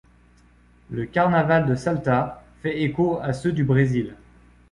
Le carnaval de Salta fait écho à ceux du Brésil.